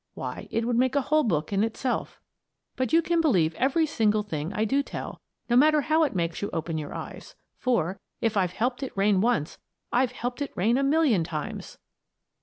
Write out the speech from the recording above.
Why, it would make a whole book in itself. But you can believe every single thing I do tell, no matter how it makes you open your eyes; for, if I've helped it rain once I've helped it rain a million times!